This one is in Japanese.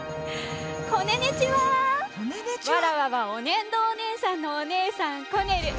わらわはおねんどお姉さんのお姉さんコネル。